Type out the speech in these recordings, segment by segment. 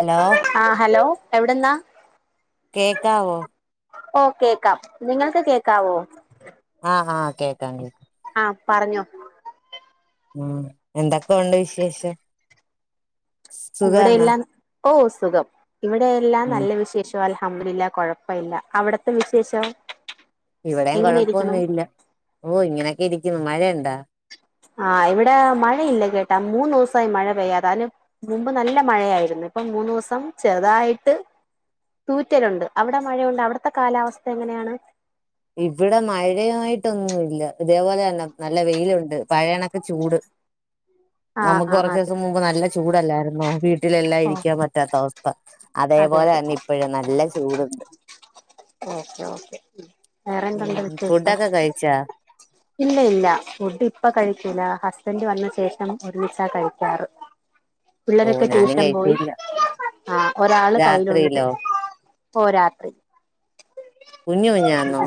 Hello ആ hello എവിടെന്നാ കേക്കാവോ ഓ കേക്കാം നിങ്ങൾക്ക് കേക്കാവോ അ ആ കേക്കാ കേക്കാം ആ പറഞ്ഞോ ആ എന്തൊക്കെയ ഉണ്ട് വിശേഷം ഇവിടെ സുഖാണോ എല്ലാം ഓ സുഖം ഇവിടെ എല്ലാം നല്ല വിശേഷം അൽ [unintelligible] കൊഴപ്പ ഇല്ല അവിടത്തെ വിശേശോ ഇവിട കൊഴപ്പൊന്നും ഇല്ല ഓ ഇങ്ങനെയൊക്കെ ഇരിക്ക മഴ ണ്ടോ ആഹ് ഇവിടെ മഴയില്ല കേട്ടാ മൂന്ന് ദിവസമായി മഴ പെയ്യാതെ അതിന് മുമ്പ് നല്ല മഴയായിരുന്നു ഇപ്പൊ മൂന്ന് ദിവസം ചെറുതായിട്ട് തൂറ്റലുണ്ട് അവിടെ മഴയുണ്ട് അവിടുത്തെ കാലാവസ്ഥ എങ്ങനെയാണ് ഇവിടെ മഴയായിട്ടൊന്നുംല്ല ഇതേപോലെ തന്നെ നല്ല വെയിലുണ്ട് പഴയ കണക്ക ചൂട് ആ നമ്മുക്ക് ആ കുറച്ച് അതെ ദിവസം മുമ്പ് നല്ല ചൂടല്ലായിരുന്നോ വീട്ടിലെല്ലാം ഓ ഇരിക്കാൻ പറ്റാത്ത അവസ്ഥ അതെ അതേപോലെ അതെ തന്നെ ഇപ്പഴും നല്ല ചൂട് ഉണ്ട് ഓക്കെ ഓക്കെ വേറെന്തുണ്ട് ഉം വിശേഷം? ഫുഡൊക്കെ കഴിച്ചാ ഇല്ല ഇല്ല ഫുഡ് ഇപ്പ കഴിക്കൂല ഹസ് ബൻഡ് വന്ന ശേഷം ഒരുമിച്ച കഴിക്കാറ്. ഓ പിള്ളരൊക്കെ ഞാനും ടൂഷൻ പോയി കഴിച്ചില്ല ആ ഒരാള് കയ്യിലുണ്ട് രാത്രിയിലോ ഓ രാത്രി കുഞ്ഞ് കുഞ്ഞാന്നോ?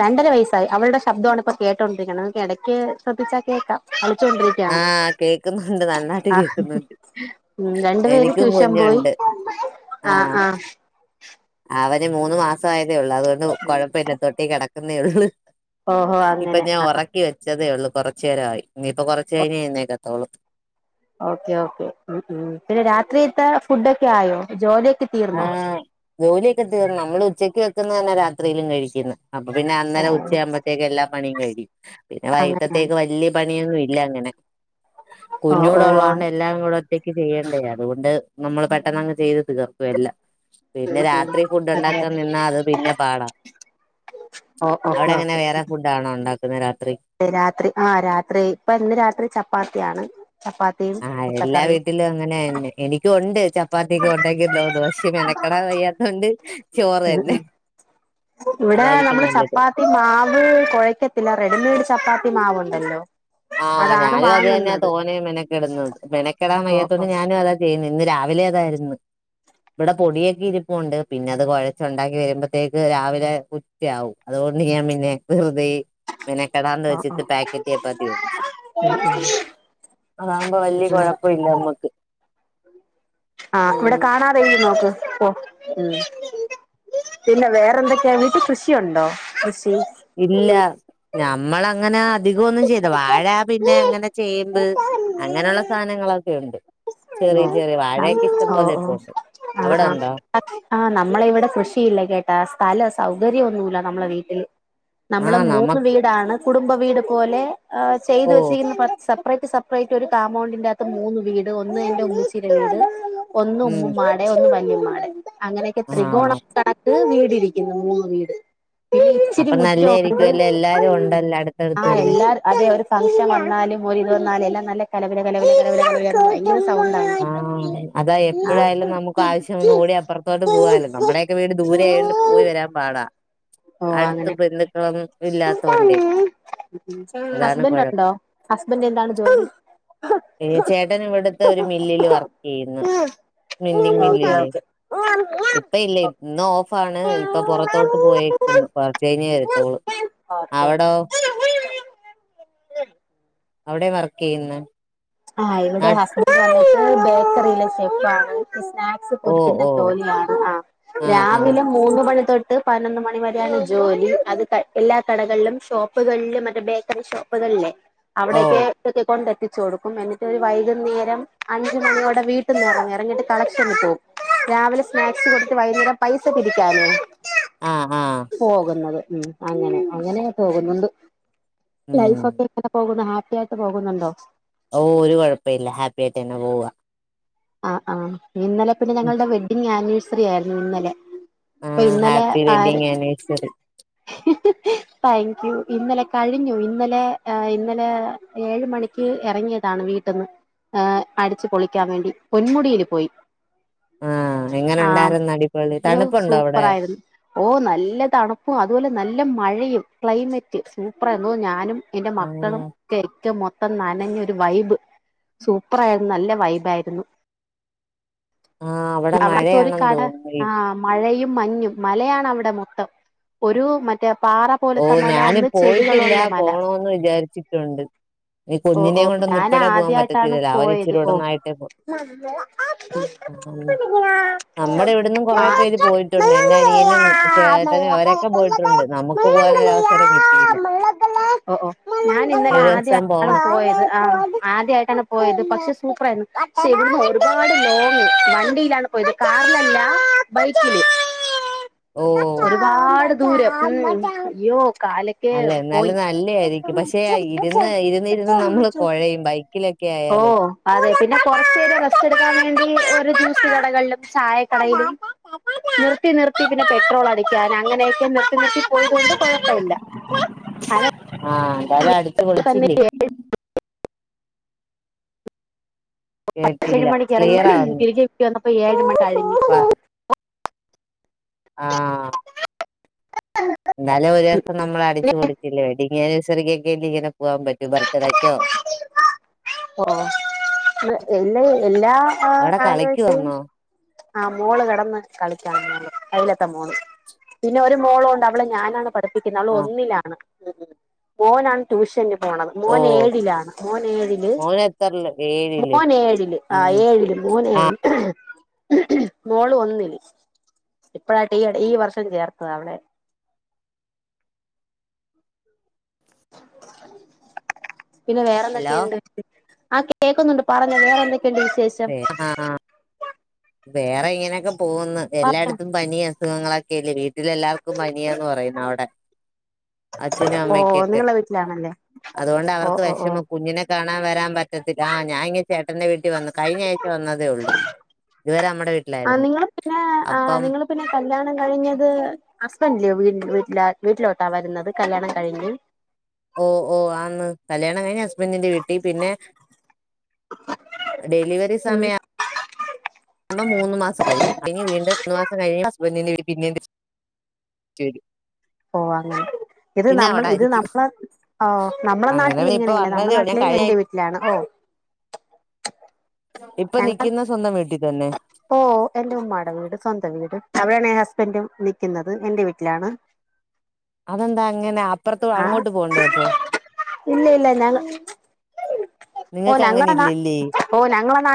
രണ്ടര വയസ്സായി, അവൾടെ ശബ്ദോണ് ഇപ്പോ കേട്ടൊണ്ടിരിക്കണത് എടക്ക് ശ്രദ്ധിച്ചാൽ കേക്കാം, അ ലച്ചോണ്ടിരിക്കാണ്, ആഹ് കേക്കുന്നുണ്ട് നന്നായിട്ട് ആഹ് കേക്കുന്നുണ്ട് രണ്ടു പേര് എനിക്കും ടൂഷൻ പോയി, കുഞ്ഞുണ്ട് ആ ആ അവര് മൂന്നു മാസയ തെള്ളു അതൊണ്ട് കൊഴപ്പില്ല തൊട്ടി കെട ക്കുന്നെയുള്ളൂ. ഓഹോ ഇപ്പ അങ്ങനെ ഞാൻ ആ ഒറക്കി വെച്ചതേ ഒള്ളൂ. കൊറച്ചു നേരായി ഇനീയിപ്പോ കൊറച്ച് കഴിഞ്ഞെന്നേൽക്കത്തോള് ഓക്കെ ഓക്കെ മ് മ് പിന്നെ രാത്രിത്തെ ഫുഡോക്കെ ആയോ? ജോലിയൊ ആ ജോലിയൊക്കെ തീർന്ന് നമ്മള് ഉച്ചക്ക് വെക് ക്കുന്ന തന്നെ രാത്രിയിലും കഴിക്കുന്നെ. അപ്പോ പിന്നെ അന്നേരം ഉച്ച ആകുമ്പത്തേക്ക് എല്ലാ പണിയും കഴിയും. പിന്നെ അങ്ങനെയാണ് വൈകിട്ടത്തേക്ക് വല്യ പണിയൊന്നും ഇല്ല അങ്ങനെ, ഓ ഓ ആ കുഞ്ഞൂടോള്ളൊണ്ട് എല്ലാം കൂടെ റ്റയ്ക്ക് ചെയ്യേണ്ടേ അതുകൊണ്ട് നമ്മൾ പെട്ടെന്ന് അങ്ങ് ചെയ്ത് തീർ ക്കും എല്ലാ പിന്നെ ഉം ഉം രാത്രി ഫുഡ് അതെ ഒണ്ടാക്കാൻ അതെ നിന്നാ അത് പിന്നെ പാടാ, ഓ ഓക്കെ അവിടെ എങ്ങനെ ഓക്കെ വേറെ ഫുഡ് ആണോ ഒണ്ടാ ക്കുന്ന രാ രാത്രി ആ രാത്രി ഇപ്പ ഇന്ന് രാത്രി ചപ്പാത്തിയാണ്. ചപ്പാത്തിയും ആഹ് എല്ലാ മുട്ടക്കറിയും വീട്ടിലും അങ്ങനന്നേ എനിക്കും ഒണ്ട് ചപ്പാത്തിയൊക്കെ ഒണ്ടാക്കി ദോ ദോശ മെനക്കടാൻ വയ്യാത്തൊണ്ട് മ് മ് ഇവടെ അതായിരിക്കും നമ്മള് നല്ലത് ചപ്പാത്തി മാവ് കൊഴയ്ക്കത്തില്ല റെഡിമെയ്ഡ് ചപ്പാ ത്തി മാവുണ്ടല്ലോ ആഹ് അതാണ് ഞാനും അത് തന്നാ വാങ്ങുന്നത് തോനേം മെനക്കെട്ന്നത്, മെനക്കെടാൻ ഓ ഓ വയ്യാത്തോണ്ട് ഞാനും അതാ ചെയ്യുന്നെ. ഇന്ന് രാവിലെ അതായിരുന്നു ഇവട പൊടിയൊക്കെ ഇരിപ്പുണ്ട്, പിന്നെ അത് കൊഴച്ച് ഒണ്ടാക്കി വരുമ്പത്തേക്ക് രാവിലെ ഉച്ചയാവും അതുകൊണ്ട് ഞാൻ പിന്നെ വെറുതെ മെനക്കെടാന്ന് ഓ ഓ വെച്ചിട്ട് ഉം പാക്കറ്റ് ചപ്പത്തി വേ അതാവുമ്പോ വല്യ ഉം ഉം കൊഴപ്പില്ല നമ്മക്ക്. ആ ഇവിടെ ഉം കാണാതെഴുതി നോക്ക്. മ് പിന്നെ വേറെന്തൊക്കെയാ വീട്ട് കൃഷിയുണ്ടോ? കൃഷി ഇല്ല ഞമ്മള അങ്ങനെ അധികൊന്നും ചെയ്ത വാഴ പിന്നെ അങ്ങനെ ചേമ്പ് അങ്ങനെയുള്ള സാധനങ്ങളൊക്കെ ഉണ്ട്, ചെറിയ ചെറിയ വാഴെ ക്കിഷ്ടം ഓ പോലെ ഓ ഓ ഇപ്പോ ഒണ്ട്. ആ ആ നമ്മള ഇവിടെ കൃഷിയില്ല കേട്ടാ സ്ഥലം സൗ കര്യയൊന്നുല്ല നമ്മളെ വീട്ടിൽ നമ്മള് ആഹ് മൂന്ന് നമക്ക് വീടാണ് കുടുംബ വീട് പോലെ ആ് ചെയ്തു ഓ വെച്ചിരിക്കുന്ന പ സെപ്പറേറ്റ് സെപ്പറേറ്റ് ഒരു കാമ്പൗണ്ടിന്റെ അകത്ത് മൂന്ന് വീട് ഒന്ന് എന്റെ ഉമ്മച്ചിടെ വീട് ഒന്ന് ഉം ഉമ്മുമ്മാടെ ഒന്ന് മ [unintelligible] അങ്ങനെയൊക്കെ ത്രികോണ ആഹ് [unintelligible] വീട് ട് ഇരിക്കുന്നു മൂന്ന് വീട് ഇച്ചിരി അപ്പൊ മുറ്റം ഒണ്ട് നല്ലായിരിക്കുംല്ലേ എല്ലാരും ഉണ്ടല്ലോ ആ അടുത്തടുത്ത് തന്നെ എല്ലാ അതെ ഒരു ഫങ്ഷൻ വന്നാലും ഒരിത് വന്നാലും എല്ലാം നല്ല [unintelligible] ആഹ് അതാ ആഹ് എപ്പഴായാലും നമുക്ക് ആവശ്യ കൂടി അപ്പുറത്തട്ട് പോവാലോ നമ്മയൊക്കെ വീട് ദൂരെ ആയോണ്ട് പോയി വരാൻ പാടാ ആ ഓ അങ്ങനെ ഇല്ലാത്തോണ്ടേ അതാണ് ഹസ്ബൻ്റ് ഉണ്ടോ കുഴപ്പം ഹസ്ബൻ്റ് എന്താണ് ജോലി മില്ലിൽ വർക്ക് ചെയ്യുന്നു [unintelligible] ഓക്കെ മില്ലില്ലേഇപ്പ ഇല്ല ഇന്ന് ഓ ഫാണ് ഇപ്പൊ പൊറത്തോട്ട് പോയിരിക്ക്ന്ന് കൊറച്ച് കഴിഞ്ഞേ വരുത്തോളൂ ഓക്കെ ഓക്കെ അവിടോ [unintelligible] അവിടെ വർക്ക് ചെയ്യുന്നെ ആ ഇവിടെ [inaudible] ബേക യിലെ ചെഫാണ് സ്നാക്സ് ഓ പൊരിക്കുന്ന ഓ ജോലിയാണ് ആ ആഹ് ആഹ് രാവിലെ മൂന്ന് മണി തോ ത്ത് പതിനൊന്ന് മണി വരെയാണ് ജോലി അത് എല്ലാ കടകളിലും ഷോപ്പുകളിലും മറ്റേ ബേക്കറി ഷോപ്പുകളിലേ ഓ അവിടെയൊക്കെൊക്കെ കൊണ്ടെത്തി ചോടു എന്നിട്ട് ഒരു വൈകുന്നേരം അഞ്ച മണിയോടെ വീട്ട നിറ ഇറങ്ങിട്ട് കളക്ഷനിൽ പോവും രാവിലെ സ്നാക്സ് കൊടുത്ത് വൈകുന്നേരം പൈസ പിരിക്കാനേ ആ ആഹ് പോകുന്നത് ഉം അങ്ങനെ അങ്ങനെയെ തോന്നുണ്ട് ലൈഫ് ഉം ഒക്കെ എങ്ങനെ പോകുന്നു ഹാ പ്പിയായിട്ട് പോകുന്നുണ്ടോ ഓ ഒരു കൊഴപ്പല്ല ഹാപ്പി ആയിട്ട് തന്നെ പോവുക ആ ആ ഇന്നലെ പിന്നെഞങ്ങളുടെ വെഡിങ് ആനിവേഴ്സ [unintelligible] ഇന്നലെ അപ്പൊ ആഹ് ഇന്നലെ ഹാപ്പി ആര്? വെഡ്ഡിങ് ആനിവേഴ്സറി താങ്ക് യു ഇന്നലെ കഴിഞ്ഞു ഇന്നലെ, ഇന്നലെ ഏഴ് മണിക്ക് എറങ്ങിയതാണ് വീട്ടിന്ന് അടിച്ചു പൊളിക്കാൻ വേണ്ടി പൊന്മുടീല് പോയി. ആഹ് എങ്ങനെ ആ ഉണ്ടായിരുന്നു അടിപൊളി അയ്യോ തണുപ്പുണ്ടോ സൂപ്പർ അവിടെ ആയിരുന്നു. ഓ നല്ല തണുപ്പും അതുപോലെ നല്ല മഴയും ക്ലൈമറ്റ് സൂപ്പറായിരുന്നു. ഓഹ് ഞാനും എന്റെ മക്കളും ആഹ് [unintelligible] [unintelligible] നനഞ്ഞു ഒരു വൈബ് സൂപ്പർ ആയിരുന്നു നല്ല വൈബ് ആയിരുന്നു. ആഹ് അവിടെ അവിടത്തെ ഒരു മഴയാണെന്ന് കട തോന്നുന്നു ആ ഇ- മഴയും. മഞ്ഞും മലയാണ് അവിടെ മൊത്തം ഒരു മറ്റേ പാറ ഓ പോലത്തെ മല ഞാന് ഒന്ന് പോയിട്ടില്ല ചെടികളുള്ള മല പോണോന്ന് വിചാരിച്ചിട്ടുണ്ട്. ഇനി ഓ കുഞ്ഞിനെ ഓ കൊണ്ടൊന്നും ഞാൻ ഇപ്പഴേ പോകാൻ ആദ്യായിട്ടാണ് പറ്റത്തില്ലല്ലോ അവൻ പോയത് ഇച്ചിരിടെ ഓ ഒന്നു ആയിട്ടേ പോ ഓ ഓ [unintelligible] നമ്മുടെ ഇവിടന്നും കൊറെ പേര് പോയിട്ടുണ്ട് എന്റെ അനിയനും ചേട്ടനും അവരൊക്കെ പോയിട്ടുണ്ട് നമു ഓ ഓ ഞാൻ ഇന്നലെ ഇനി ഒരു ദിവസം ആദ്യായിട്ടാണ് പോണം പോയത് ആ ആദ്യായിട്ടാണ് പോയത് പക്ഷെ സൂപ്പറായിരുന്നു. [unintelligible] ഒരുപാട് ലോങ്ങ് വണ്ടിയിലാണ് പോയത്, കാറിലല്ല ബൈക്കില്. ഓ [inaudible] ഒരുപാട്. ദൂരം [unintelligible] മ് അയ്യോ കാലൊക്കെ അല്ല പോയി എന്നാലും നല്ല ആയിരിക്കും, പക്ഷെ ഇരുന്ന് ഇരുന്നിരുന്നു നമ്മള് കൊഴയും ബൈക്കിലെ ഓ അതൊക്കെ പിന്നെ കുറച്ച നേരം റെസ്റ്റ് ടുക്കാൻ വേണ്ടി ഒരു ചുസ് കടകളിലും ചായക്കടയിലും നിർത്തി നിർത്തി പിന്നെ പെട്രോൾ അടിക്കാൻ അങ്ങനെയൊക്കെ നിർ വെള്ളത്തിൽപോയ തോണ്ട് കുഴപ്പമില്ല, എന്നാലും അടിച്ചു തന്നെ പൊളിച്ചില്ല പത്തര കേട്ടില്ല മണിക്ക് [unintelligible] ഇറങ്ങി തിരികെ കേറണ്ട. ഇ ഏ മട്ട [unintelligible] വ ആ ഇന്നലെ ഒരു ദിവസം നമ്മൾ അടിച്ചച്ച് പൊളിച്ചില്ലേ വെഡിംങ് ആനിവേഴ്‌സ് തിരികെ കേറ്റി ഇങ്ങനെ പോകാൻ പറ്റു ബർത്ത് ഡേക്കോ ങ [unintelligible] എല്ല എല്ലാ ആ അവിടെ കളിക്ക് ആനിവേഴ്സറി. വന്നോ ആ മോള് കിടന്ന് കളിക്കാ മോള് അയിലത്തെ മോള് പിന്നെ ഒരു മോള് ഒ അവളെ ഞാനാണ് പഠിപ്പിക്കുന്നത് അവള് ആഹ് ഒന്നിലാണ്. ഉം മോനാണ് ട്യൂഷന് പോണത് ഓ മോനെഴിലാണ് മോന് ഏഴില് മോന് എത്രയില് ഏഴില് മോൻ ഏഴില് ആ ഉം ഏഴില് മോൻ ആഹ് ഏഴില് മോൾ ഒന്നില് ഇപ്പഴായിട്ട് ഈ ഈ വർഷം ചേർത്തത അവടെ ആ ആ പിന്നെ വേറെ ഹലോ എന്തൊക്കെയുണ്ട് ആ കേക്കുന്നുണ്ട് പറഞ്ഞത് വേറെന്തക്കെ ആ വേറെ ഇങ്ങനെയൊക്കെ പോകന്ന് പറഞ്ഞോ എല്ലായിടത്തും പനിയ അസുഖങ്ങളൊക്കെല്ല വീട്ടി ൽ എല്ലാവർക്കും പനിയാന്ന് പറയുന്നു അവിടെ അച്ഛനും ഓ അമ്മക്കൊക്കെ നിങ്ങളെ വീട്ടിലാണല്ലേ അതുകൊണ്ട് ഓ അവർക്ക് ഓ ഓ വിഷമം കുഞ്ഞിനെ കാണാൻ വരാൻ പറ്റത്തില്ല ആ ഞാൻ ഇങ്ങ് ചേട്ടന്റെ വീട്ടിൽ വന്നു കഴിഞ്ഞ ആഴ്ച വന്നതേ ഉള്ളൂ ഇതുവരെ നമ്മുടെ ആ വീട്ടിലായിരുന്നു നിങ്ങള് പിന്നെ ആ അപ്പം നിങ്ങള് പിന്നെ കല്യാണം കഴിഞ്ഞത് ഹസ്ബന്റിന്റെ വീട്ടി വീട്ടി വീട്ടിലോട്ടാ വരുന്നത് കല്യാണം കഴിഞ്ഞ് ഓ ഓ ആന്ന് കല്യാണം കഴിഞ്ഞ് ഹസ് ബന്റിന്റെ വീട്ടിൽ പിന്നെ ഡെലിവറി ഉം സമയം നമ്മ മൂന്ന് മാസം കഴിയും പിന്നെ വീണ്ടും മൂന്ന് മാസം കഴിഞ് ഹസ്ബന്റിന്റെ വീട്ടിക്ക് പിന്നെയും തിരിച്ചു വരും ഓ അങ്ങനെ ഇത് പിന്നെ നമ്മൾ അവിടെ ഇത് ആയിരിക്കും നമ്മളെ ആ നമ്മളെ അങ്ങനെ നാട്ടിൽ ഇപ്പൊ ഇങ്ങനെയല്ല നമ്മള വന്നതേ ഉള്ളൂ ഞാൻ നാട്ടില് കഴിഞ്ഞ എൻറെ ആഴ്ച വീട്ടിലാണ് ഓ ഇപ്പൊ ഞങ്ങൾ നിക്കുന്ന സ്വന്തം വീട്ടിൽ തന്നെ ഓ എന്റെ ഉമ്മാടെ വീട് സ്വന്തം വീട് അവിടെണ് ഹസ്ബൻറും നിക്കുന്നത് എന്റെ വീട്ടിലാണ് അതെന്താ അങ്ങനെ അപ്പുറത്ത ആ അങ്ങോട്ട് പോണ്ടേ അപ്പൊ ഇല്ല ഇല്ല ഞങ്ങ നിങ്ങക്ക് അങ്ങനെ ഇല്ലല്ലേ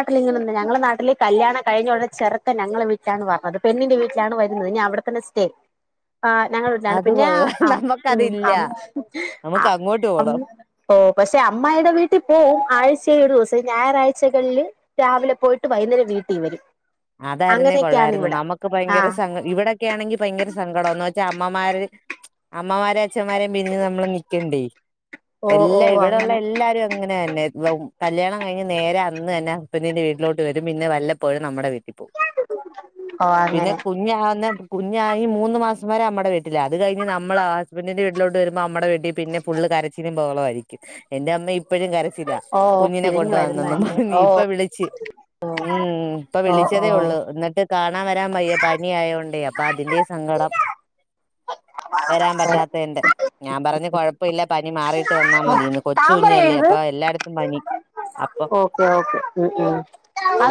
ഞങ്ങളുടെ നാട്ടില്കല്യാണം കഴിഞ്ഞവിടെ ചെറുക്ക ഞങ്ങള വീട്ടിലാണ് വത് പെണ്ൻന്റെ വീട്ടിലാണ് വരുന്നത് ഞാൻ അവിടെത്തന്നെ സ്റ്റേ ആഞങ്ങള വീട്ടിലാണ് അത് പിന്നെ കൊള്ളാം നമ്മക്കതില്ല ആ നമുക്ക് അങ്ങോട്ട് ഉ പോണം ഓ പക്ഷെ അമ്മായുടെ വീട്ടിൽ പോവും ആഴ്ച ഴിവ് ദിവസം ഞായറാഴ്ചകളില് രാവിലെ പോയിട്ട് വൈന്നേരം വീട്ടിൽ വരും അതായിരുന്നേ അങ്ങനെയൊക്കെയാണ് കൊള്ളായിരുന്നു ഇവിടെ നമുക്ക് ആ ഭയങ്കര സങ്ക ഇവിടെക്കെ ആണെങ്കിൽ ഭയങ്കര സങ്കടംന്ന് വച്ച അമ്മമാര് അമ്മമാരും അച്ഛന്മാരെ പിരിഞ്ഞ് നമ്മള് നിക്കണ്ടേ ഓ ഓ എല്ലാ ഇവിടെള്ള അങ്ങനെ എല്ലാരും അങ്ങനെ തന്നെ കല്യാണം കഴിഞ്ഞ് നേരെ അന്ന് തന്നെ പെണ്ണിന്റെ വീട്ടിലോട്ട് വരും പിന്നെ വല്ലപ്പോഴും നമ്മുടെ വീട്ടിലും ഓ പിന്നെ അങ്ങനെ കുഞ്ഞ് ആകുന്ന കുഞ്ഞായി മൂന്നുമാസം വരെ അമ്മയുടെ വീട്ടില് അതുകഴിഞ്ഞ് നമ്മള് ഹസ്ബന്റിന്റെ വീട്ടിലോട്ട് വരുമ്പോൾ അമ്മയുടെ വീട്ടിൽ ഫുള്ള് കരച്ചിലും ബഹളം ആയിരിക്കും എന്റമ്മഇപ്പോ പ്പഴും കരച്ചിലാ ഓ കുഞ്ഞിനെ പിരിഞ്ഞു കൊണ്ട് വന്നന്നും വരുന്നതല്ലേ പറഞ്ഞ് ഓ ഇപ്പ വിളിച്ച് മ് ഇപ്പൊ ഓ തേ ഓ ഒള്ളൂ ന്നട്ട് കാണാൻ വരാൻ വയ്യ പനി ആയോണ്ടേ അപ്പൊ അതിന്റെ സങ്കടം വരാൻ പറ്റാത്താന്റെ ഞാൻ പറഞ്ഞു കുഴപ്പ വില്ല പനി മാറി ട്ട് വന്നാൽ മതിയന്ന് കൊച്ചു താമ്പറ കുഞ്ഞല്ലേ എഴുത് അപ്പൊ എല്ലായിടത്തും പനി അപ്പൊ ഓക്കെ ഓക്കേ ഉ ഉം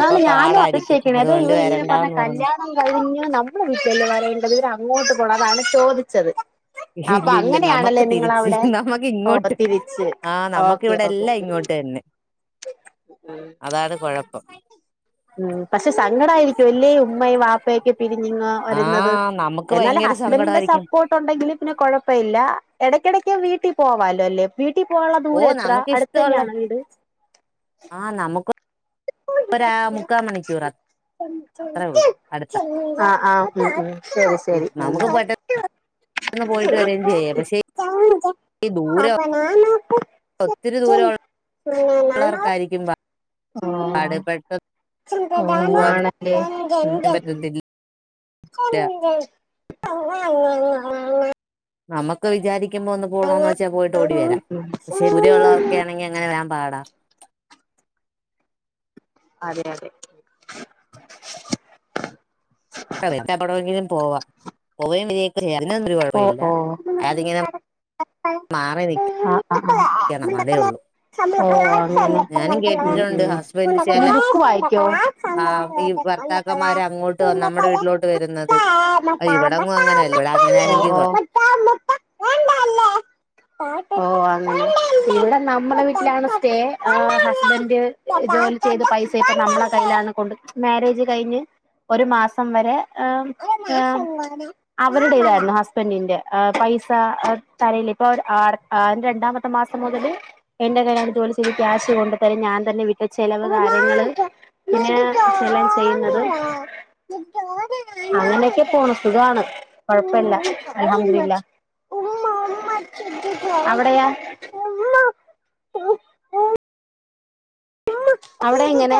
അപ്പൊ ഞാനും അതിശയി പാടായിരിക്കും ക്ക്ണെ ഇതാ അതുകൊണ്ട് ഇവളിങ്ങനെ പറഞ്ഞ വരണ്ടാന്ന് പറഞ്ഞു കല്യാണം കഴിഞ്ഞു നമ്മള വീട്ടിലല്ലെ വരേണ്ടത് [unintelligible] ങ്ങോട്ട് പോണൊ അതാണ് ചോദിച്ചത് അപ്പൊ ഇല്ലി ല്ല നമുക്ക് അങ്ങനെയാണല്ലേ തിരിച്ച് നിങ്ങളവിടെ നമ്മക്ക് ഓ ഇങ്ങോട്ട് തിരിച്ച് ആഹ് നമ്മക്ക് ഓക്കെ ഓക്കെ ഇവിടെല്ലാം ഉം ഇങ്ങോട്ട് തന്നെ അതാണ് കൊഴ പ്പം ഉം പക്ഷെ സങ്കടവായിരിക്കും അല്ലേ ഉമ്മയും വാപ്പയൊക്കെ പിരിഞ്ഞിങ്ങ് വരുന്നത് ആഹ് നമുക്ക് എന്നാല് ഭയങ്കര ഹസ്ബൻഡിന്റെ സങ്കടായിരിക്കും സപ്പോർട്ട് ഉണ്ടെങ്കിൽ പിന്നെ കുഴപ്പ ഇല്ല ഇടയ്ക്കിടയ്ക്ക് വീട്ടി പോവാലോ അല്ലെ വീ ട്ടി പോവാൻള്ള ഓ ദൂര എത്ര നമുക്ക് ഇഷ്ടമുള്ള അടുത്തന്നെയാണൊ വീട് ആഹ് നമുക്ക് ഒരാ മുക്കാ മണിക്കൂറ അത്രേ ഒള്ളൂ അടുത്ത ഉ ഉം ശരി ഇത് ശരി ഉ നമുക്ക് പെട്ടെന്ന് പോയിട്ട് വരേം ചെയ്യാം പക്ഷെ ഈ ദൂരം ഒത്തിരി ദൂരം ഉള്ളവർക്കായിരിക്കും [unintelligible] [inaudible] ആഹ് പാട് പെട്ടെന്ന് പോവാനും ആണ് ലേ ഊം പറ്റത്തില്ല കൊ ആ [unintelligible] ഓ ഓ ആ ഓ [unintelligible] നമുക്ക് വിചാരി ക്കുമ്പോ ഒന്ന് പോണോന്ന് വെച്ചാ പോയിട്ട് ഓടി വരാം പക്ഷെ ദൂരെ ഉള്ളവരൊക്കെ ആണെങ്കിൽ അങ്ങനെ വരാൻ പാടാ അതെയതെ [unintelligible] പോവാ പോവയും [unintelligible] ഒ ഓഹ് മാറി നിക്ക് അ ആഹ് ഓഹ് അങ്ങനെ ഞാനും കേട്ടിട്ടുണ്ട് ഉം ഹസ്ബൻഡ് ഉം പിന്ന ചില ബുക്ക് വായിക്കോ ആ ഈ ഭർത്താക്കന്മാര് അങ്ങോട്ട് വന്ന് നമ്മുടെ വീട്ടിലോട്ട് വരുന്നത്. ആ, ഇവിടെങ്ങും അങ്ങനെയല്ല ഇവിടെ അങ്ങനെയാണെങ്കിൽ കൊള്ളാം. ഓഹ് ഓ ഓഹ് അങ്ങനെ ഇവിടെ നമ്മെടെ വീട്ടിലാണ് സ്റ്റേ ആഹ് ഹസ്ബൻഡ് ജോലി ചെയ്ത് പൈസേക്ക നമ്മളെ കയ്യിലാണ് കൊണ്ട് മാരേജ് കഴിഞ്ഞ് ഒരു മാസം വരെ ഏഹ് അവരുടേതായിരുന്നു ഹസ് ഹസ്ബൻഡിന്റെ ആഹ് പൈസ ആ തരല്ലിപ്പൊ ആ അട ആ രണ്ടാമത്തെ മാസം മുതല് എന്റെ കയിലാണ് ജോലി ചെയത് ക്യാഷ് കൊണ്ട് തരും ഞാൻ തന്നെ വിട്ടി ചെലവ് കാര്യങ്ങള് പിന്നേ ചെല ചെയ്യുന്നത് അങ്ങനൊക്കെ പോണു സുഖാണ് കൊഴപ്പല്ല ചെലപ്പ മിണ്ടില്ല അവിടെയാ ഉമ്മ അവിടെ എങ്ങനെ